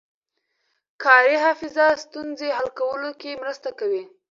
کاري حافظه ستونزې حل کولو کې مرسته کوي.